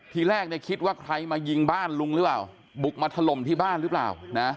ทีแรกเนี่ยคิดว่าใครมายิงบ้านลุงหรือเปล่าบุกมาถล่มที่บ้านหรือเปล่านะ